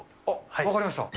分かりました。